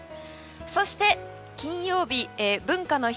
そして金曜日、文化の日。